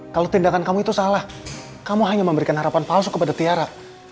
kalau tindakan kamu itu salah kamu hanya memberikan harapan palsu kepada tiara